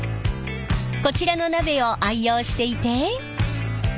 こちらの鍋を愛用していて。